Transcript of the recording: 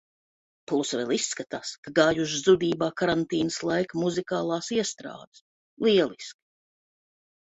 Plus vēl izskatās, ka gājušas zudībā karantīnas laika muzikālās iestrādes. lieliski.